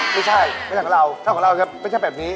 ไม่ใช่ไม่ใช่ของเราถ้าของเราจะไม่ใช่แบบนี้